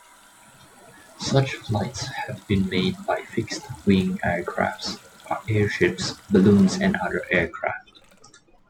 Such flights have been made by fixed-wing aircraft, airships, balloons and other aircraft.